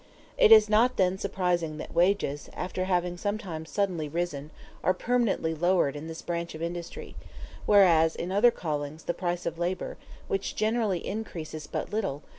It is not then surprising that wages, after having sometimes suddenly risen, are permanently lowered in this branch of industry; whereas in other callings the price of labor, which generally increases but little, is nevertheless constantly augmented.